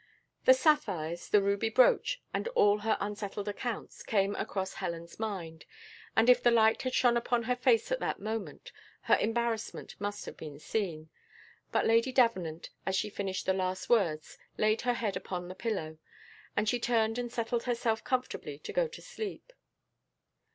The sapphires, the ruby brooch, and all her unsettled accounts, came across Helen's mind; and if the light had shone upon her face at that moment, her embarrassment must have been seen; but Lady Davenant, as she finished the last words, laid her head upon the pillow, and she turned and settled herself comfortably to go to sleep.